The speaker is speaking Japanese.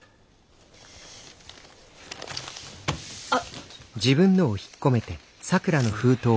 あっ！